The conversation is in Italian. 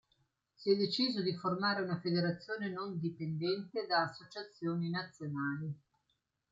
Si è deciso di formare una Federazione non dipendente da associazioni nazionali.